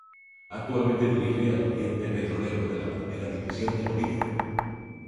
Actualmente dirige al Oriente Petrolero de la Primera División de Bolivia.